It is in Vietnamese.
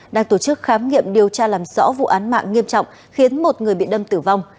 đang tổ chức khám nghiệm điều tra làm rõ vụ án mạng nghiêm trọng khiến một người bị đâm tử vong